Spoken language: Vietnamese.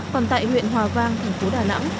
còn tại nguyễn hòa vang tp đà nẵng